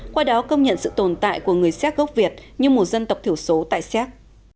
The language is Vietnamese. qua đó công nhận sự tồn tại của người xéc gốc việt như một dân tộc thiểu số tại xéc